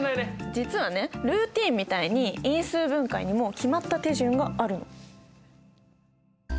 実はねルーティーンみたいに因数分解にも決まった手順があるの。